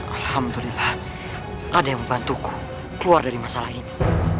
alhamdulillah ada yang membantuku keluar dari masalah ini